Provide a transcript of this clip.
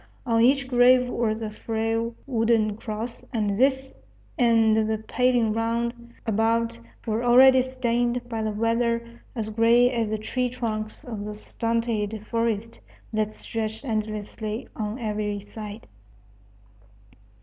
On each grave was a frail wooden cross, and this and the paling round about were already stained by the weather as gray as the tree trunks of the stunted forest that stretched endlessly on every side.